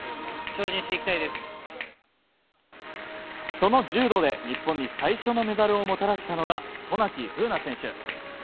その柔道で日本に最初のメダルをもたらしたのが渡名喜風南選手。